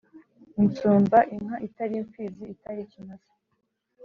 insumba: inka itari imfizi, itari ikimasa